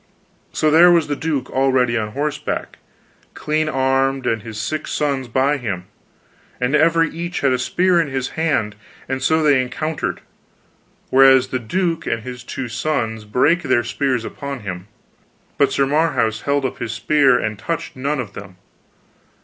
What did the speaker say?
So there was the duke already on horseback, clean armed, and his six sons by him, and every each had a spear in his hand, and so they encountered, whereas the duke and his two sons brake their spears upon him, but Sir Marhaus held up his spear and touched none of them.